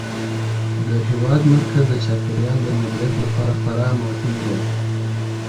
د هېواد مرکز د چاپیریال د مدیریت لپاره خورا مهم دی.